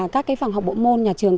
các phòng học bộ môn nhà trường